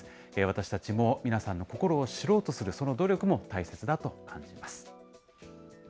私たちも皆さんの心を知ろうとする、その努力も大切だと感じます。